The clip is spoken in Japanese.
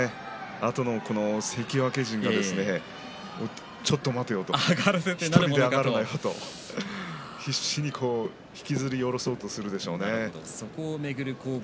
あとの関脇陣がちょっと待てよ１人で上がるなと必死に引きずり下ろすとするでしょうね。